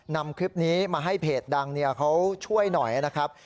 นำคลิปนี้มาให้เพจดังเขาช่วยหน่อยนะครับ